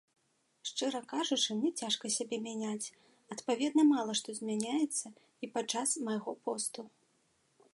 Шчыра кажучы, мне цяжка сябе мяняць, адпаведна, мала што змяняецца і падчас майго посту.